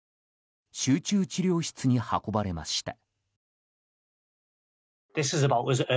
集中治療室に運ばれました。